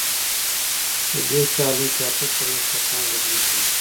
په دې سیالۍ کې اته څلوېښت کسان ګډون کوي.